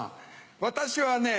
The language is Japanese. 私はね